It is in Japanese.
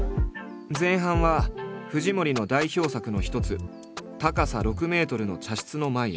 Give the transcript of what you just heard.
前半は藤森の代表作の一つ高さ６ｍの茶室の前へ。